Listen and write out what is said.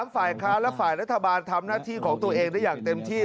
ฝ่ายค้านและฝ่ายรัฐบาลทำหน้าที่ของตัวเองได้อย่างเต็มที่